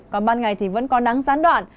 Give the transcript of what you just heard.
còn ban ngày thì vẫn có nắng gián đoạn